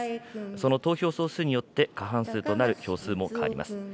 その投票総数によって、過半数となる票数も変わります。